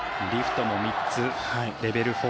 リフトも３つ、レベル